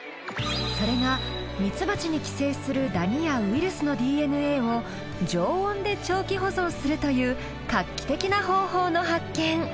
それがミツバチに寄生するダニやウイルスのＤＮＡを常温で長期保存するという画期的な方法の発見！